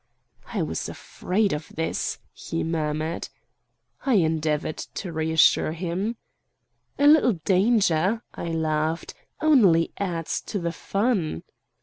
"I was afraid of this!" he murmured. I endeavored to reassure him. "A little danger," I laughed, "only adds to the fun."